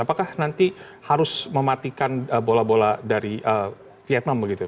apakah nanti harus mematikan bola bola dari vietnam begitu